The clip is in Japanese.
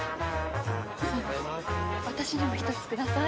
私にも１つください。